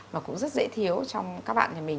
và cũng rất dễ thiếu trong các bạn nhà mình